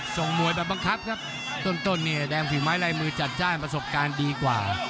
ส่งมวยแบบบังคับครับต้นเนี่ยแดงฝีไม้ลายมือจัดจ้านประสบการณ์ดีกว่า